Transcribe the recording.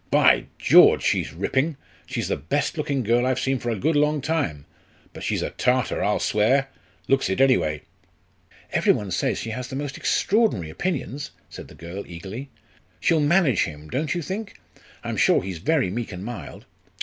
"By George, she's ripping she's the best looking girl I've seen for a good long time. But she's a Tartar, I'll swear looks it, anyway." "Every one says she has the most extraordinary opinions," said the girl, eagerly. "She'll manage him, don't you think? I'm sure he's very meek and mild."